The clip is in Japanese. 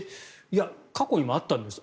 過去にもあったんです。